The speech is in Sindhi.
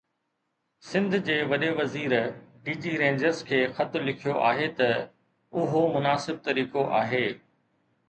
سنڌ جي وڏي وزير ڊي جي رينجرز کي خط لکيو آهي ته اهو مناسب طريقو آهي.